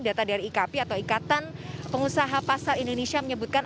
data dari ikp atau ikatan pengusaha pasar indonesia menyebutkan